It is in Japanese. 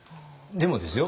でもですよ